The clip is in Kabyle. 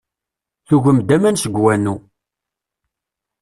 Tugem-d aman seg wanu.